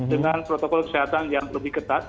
dengan protokol kesehatan yang lebih ketat